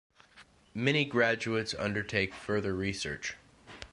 Many graduates undertake further research.